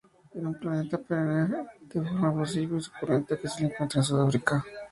Es una planta perenne de forma arbustiva y suculenta que se encuentra en Sudáfrica.